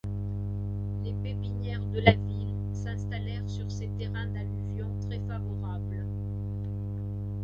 Les pépinières de la ville s'installèrent sur ces terrains d'alluvions très favorables.